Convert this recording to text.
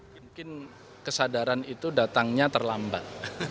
mungkin kesadaran itu datangnya terlambat